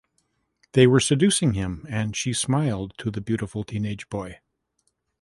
they were seducing him, and she smiled to the beautiful teenage boy